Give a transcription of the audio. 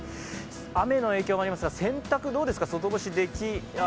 雨の影響もありますが、洗濯どうですか？